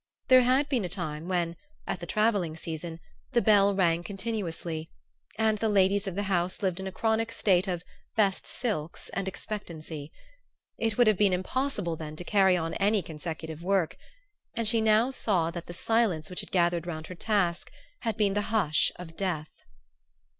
There had been a time when, at the travelling season, the bell rang continuously, and the ladies of the House lived in a chronic state of "best silks" and expectancy. It would have been impossible then to carry on any consecutive work; and she now saw that the silence which had gathered round her task had been the hush of death.